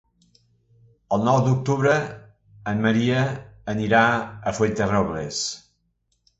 El nou d'octubre en Maria anirà a Fuenterrobles.